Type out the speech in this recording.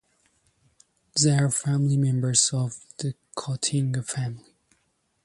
They are members of the cotinga family.